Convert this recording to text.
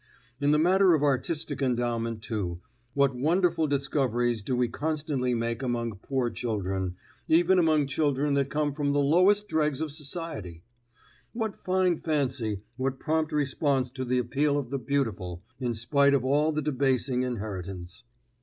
In the matter of artistic endowment, too, what wonderful discoveries do we constantly make among poor children, even among children that come from the lowest dregs of society! What fine fancy, what prompt response to the appeal of the beautiful, in spite of all the debasing inheritance!